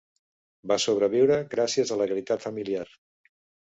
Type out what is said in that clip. Va sobreviure gràcies a la caritat familiar.